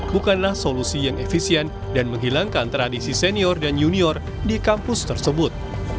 bukanlah solusi yang efisien dan menghilangkan tradisi senior dan junior di kampus tersebut